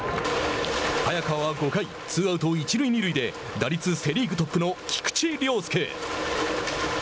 早川は５回ツーアウト、一塁二塁で打率セ・リーグトップの菊池涼介。